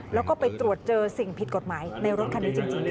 แล้วก็ไปตรวจเจอสิ่งผิดกฎหมายในรถคันนี้จริง